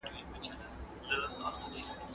له ټکنالوژۍ سمه ګټه واخلئ.